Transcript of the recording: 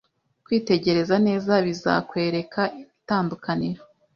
Kwitegereza neza bizakwereka itandukaniro